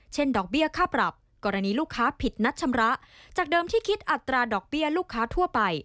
ดอกเบี้ยค่าปรับกรณีลูกค้าผิดนัดชำระจากเดิมที่คิดอัตราดอกเบี้ยลูกค้าทั่วไป